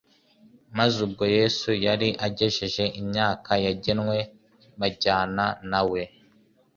maze ubwo Yesu yari agejeje imyaka yagenwe, bajyana nawe.